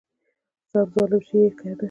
سم ظالم شې يې کنه!